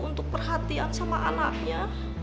untuk perhatian sama anaknya